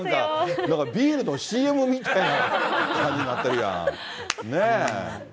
なんかビールのＣＭみたいな感じになってるやん。